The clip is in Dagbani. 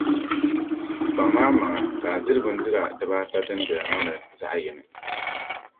Kpaŋmi amaŋ ka a diri bindira dibaata din doya ŋɔ ni zaɣi yini.